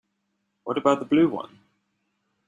What about the blue one?